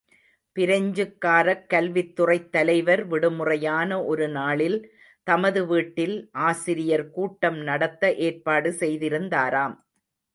பிரெஞ்சுக்காரக் கல்வித்துறைத் தலைவர் விடுமுறையான ஒருநாளில் தமது வீட்டில் ஆசிரியர் கூட்டம் நடத்த ஏற்பாடு செய்திருந்தாராம்.